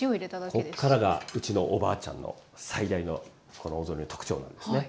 こっからがうちのおばあちゃんの最大のこのお雑煮の特徴なんですね。